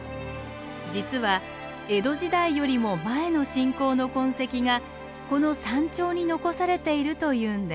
実は江戸時代よりも前の信仰の痕跡がこの山頂に残されているというんです。